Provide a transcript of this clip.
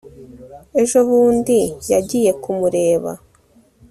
ejo bundi yagiye kumureba